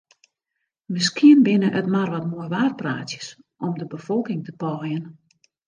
Miskien binne it mar wat moaiwaarpraatsjes om de befolking te paaien.